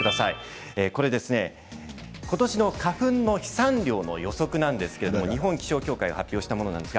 今年の花粉の飛散量の予測なんですけども日本気象協会が発表したものです。